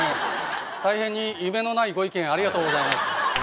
大変に夢のないご意見ありがとうございます。